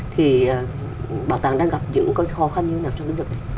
thì bảo tàng đang gặp những cái khó khăn như thế nào trong lĩnh vực này